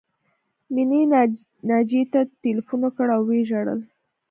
مینې ناجیې ته ټیلیفون وکړ او وژړل